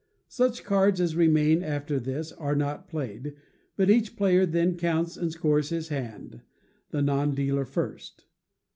Such cards as remain after this are not played, but each player then counts and scores his hand, the non dealer first.